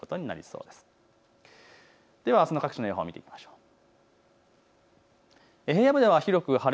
では、あすの各地の予報を見ていきましょう。